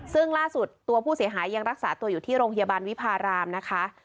ซึ่งล่าสุดตัวผู้เสียหายยังรักษาตัวอยู่ที่โรงพยาบาลวิพารามนะคะ